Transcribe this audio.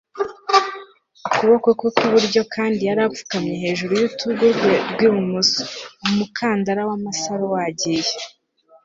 ukuboko kwe kw'iburyo kandi yari apfukamye hejuru y'urutugu rwe rw'ibumoso. umukandara w'amasaro wagiye